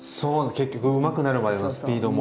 結局うまくなるまでのスピードも。